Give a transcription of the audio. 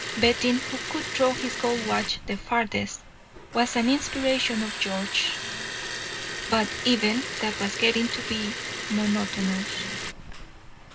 Betting who could throw his gold watch the farthest was an inspiration of George's; but even that was getting to be monotonous.